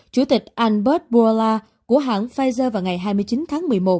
chủ tịch albert bola của hãng pfizer vào ngày hai mươi chín tháng một mươi một